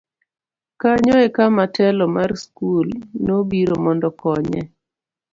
kanyo e kama telo mar skul nobiro mondo okonye